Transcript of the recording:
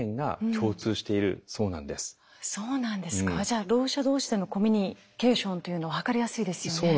じゃあろう者同士でのコミュニケーションというのは図りやすいですよね。